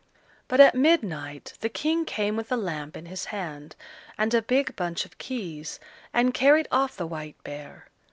But at midnight the King came with a lamp in his hand and a big bunch of keys, and carried off the white bear.